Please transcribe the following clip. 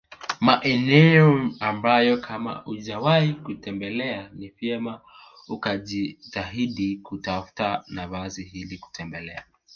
Maeneo ambayo kama hujawahi kutembelea ni vyema ukajitahidi kutafuta nafasi ili kutembelea